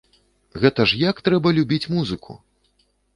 Гэта ж як трэба любіць музыку!